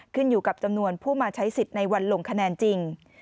ขึ้นอยู่กับจำนวนผู้มาใช้สิทธิ์ในวันลงคะแนนจริง